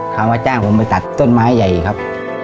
เขามาจ้างผมไปตัดต้นไม้ใหญ่ครับ